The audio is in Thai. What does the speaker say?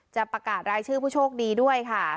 จะประกาศรายชื่อผู้โชคดีด้วยค่ะ